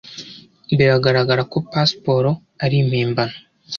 Biragaragara ko pasiporo ari impimbano.